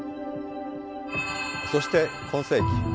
そして今世紀。